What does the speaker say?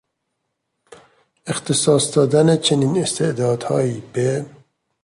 اختصاص دادن چنین استعدادهایی به...